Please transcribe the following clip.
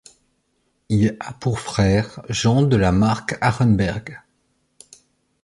Il a pour frère Jean de La Marck-Arenberg.